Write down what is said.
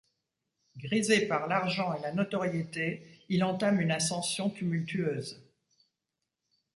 Grisé par l'argent et la notoriété, il entame une ascension tumultueuse…